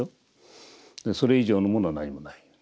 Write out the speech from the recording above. それ以上のものは何もない。